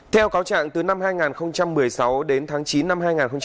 theo cáo trạng từ năm hai nghìn một mươi sáu đến tháng chín năm hai nghìn một mươi bảy